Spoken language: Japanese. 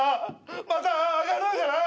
また上がるんじゃない！？